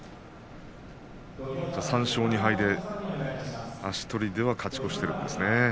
３勝２敗で足取りでは勝ち越しているんですね。